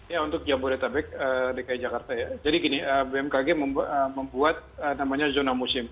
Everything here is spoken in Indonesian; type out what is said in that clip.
ya untuk jabodetabek dki jakarta ya jadi gini bmkg membuat namanya zona musim